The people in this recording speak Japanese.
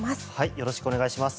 よろしくお願いします。